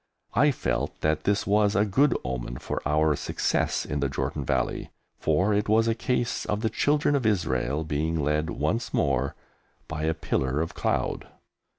I felt that this was a good omen for our success in the Jordan Valley, for it was a case of the Children of Israel being led once more by a pillar of cloud.